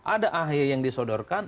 ada ahaya yang disodorkan